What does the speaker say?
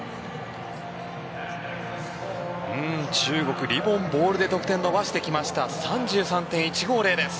中国、リボン・ボールで得点を伸ばしてきました。３３．１５０です。